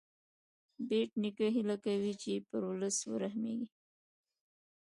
بېټ نیکه هیله کوي چې پر ولس ورحمېږې.